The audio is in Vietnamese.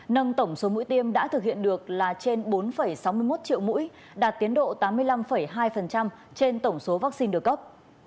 nâng tổng số mũi tiêm đã thực hiện được là trên bốn sáu mươi một triệu mũi đạt tiến độ tám mươi năm hai trên tổng số vaccine được cấp